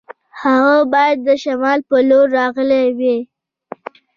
هغه باید د شمال په لور راغلی وای.